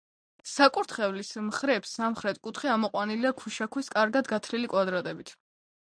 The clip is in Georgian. საკურთხევლის მხრების სამხრეთ კუთხე ამოყვანილია ქვიშაქვის კარგად გათლილი კვადრებით.